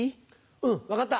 うん、分かった。